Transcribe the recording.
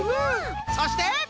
そして！